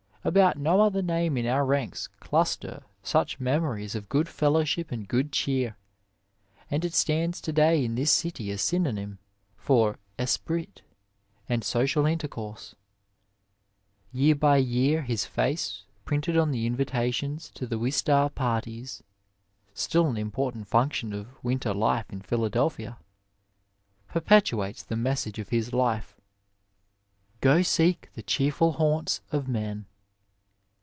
About no other name in our ranks cluster such memories of good fellowship and good cheer, and it stands to day in 85 Digitized by VjOOQiC THE LEAVEN OF SCIENCE this city a ajmonym for esprit and social intercomse. Tear by year his face, printed on the invitations to the *' Wistar Parties " (still an important function of winter life in Philadelphia) perpetoates the message of his life, " Gro seek the cheerfol haunts of men."